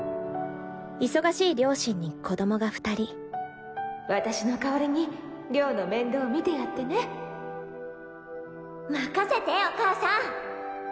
忙しい両親に子どもが２人私の代わりに亮の面倒見てやってね任せてお母さん！